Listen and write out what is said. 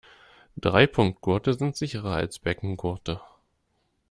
Dreipunktgurte sind sicherer als Beckengurte.